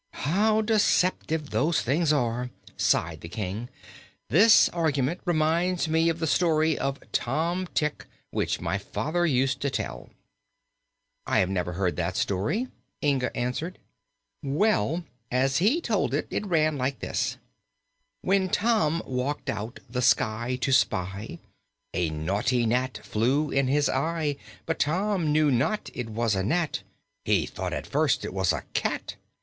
"How deceptive those things are!" sighed the King. "This argument reminds me of the story of Tom Tick, which my father used to tell." "I have never heard that story," Inga answered. "Well, as he told it, it ran like this: "When Tom walked out, the sky to spy, A naughty gnat flew in his eye; But Tom knew not it was a gnat He thought, at first, it was a cat.